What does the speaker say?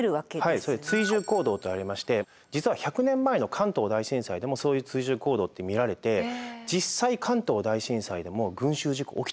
はいそれ追従行動とありまして実は１００年前の関東大震災でもそういう追従行動って見られて実際関東大震災でも群集事故起きてるんですよね。